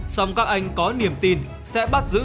xong các anh có niềm tin sẽ bắt giữ